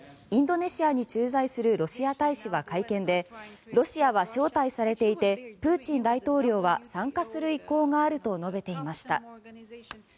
インドネシアに駐在するロシア大使は会見でロシアは招待されていてプーチン大統領は参加する意向があると述べていました。